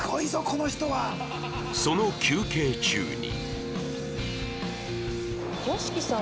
その休憩中に